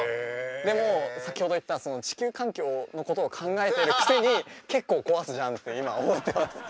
でも先ほど言った地球環境のことを考えてるくせに結構壊すじゃんって今思ってます。